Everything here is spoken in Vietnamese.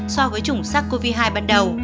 so với chủng sars cov hai ban đầu